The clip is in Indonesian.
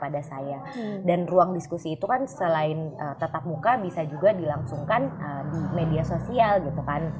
dan ruang diskusi itu kan selain tetap muka bisa juga dilangsungkan di media sosial gitu kan